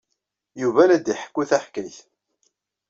Yuba la d-iḥekku taḥkayt.